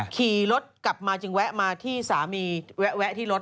ขี่รถกลับมาจึงแวะมาที่สามีแวะที่รถ